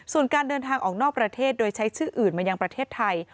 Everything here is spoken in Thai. ส่วนการเดินทางออกนอกประเทศโดยใช้ชื่ออื่นมายังประเทศไทย